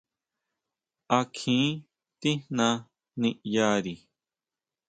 ¿A kjín tijná niʼyari!